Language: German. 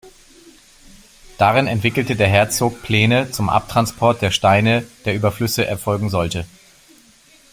Darin entwickelte der Herzog Pläne zum Abtransport der Steine, der über Flüsse erfolgen sollte.